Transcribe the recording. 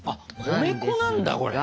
米粉なんだこれ。